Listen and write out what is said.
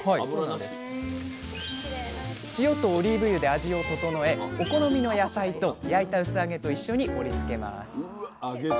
塩とオリーブ油で味を調えお好みの野菜と焼いたうす揚げと一緒に盛りつけます。